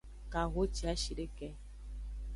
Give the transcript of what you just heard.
Kahociashideke.